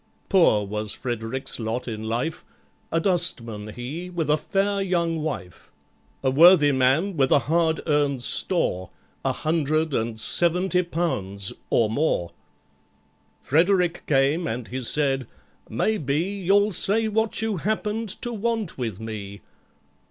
Poor was FREDERICK'S lot in life,— A dustman he with a fair young wife, A worthy man with a hard earned store, A hundred and seventy pounds—or more. FREDERICK came, and he said, "Maybe You'll say what you happened to want with me?"